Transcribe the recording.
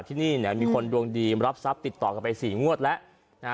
ที่นี่มีคนดวงดีรับทรัพย์ติดต่อกันไป๔งวดแล้วนะฮะ